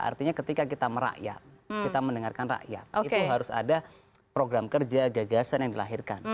artinya ketika kita merakyat kita mendengarkan rakyat itu harus ada program kerja gagasan yang dilahirkan